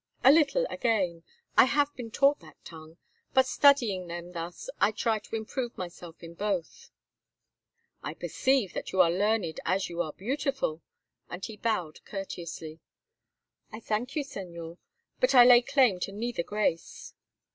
"A little again. I have been taught that tongue. By studying them thus I try to improve myself in both." "I perceive that you are learned as you are beautiful," and he bowed courteously. "I thank you, Señor; but I lay claim to neither grace."